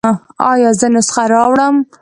ایا زه نسخه راوړم؟